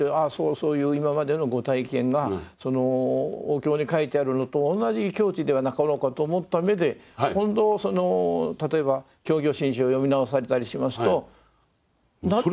そういう今までのご体験がお経に書いてあるのと同じ境地ではなかろうかと思った目で今度例えば「教行信証」を読み直されたりしますと納得できるとこが。